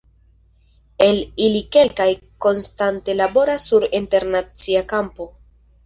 El ili kelkaj konstante laboras sur internacia kampo.